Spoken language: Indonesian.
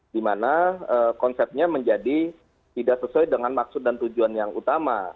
dimana konsepnya menjadi tidak sesuai dengan maksud dan tujuan yang utama